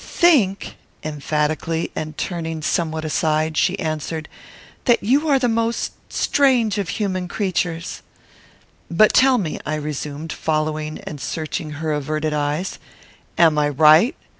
"Think!" emphatically, and turning somewhat aside, she answered; "that you are the most strange of human creatures." "But tell me," I resumed, following and searching her averted eyes; "am I right?